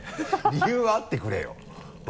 理由はあってくれよ。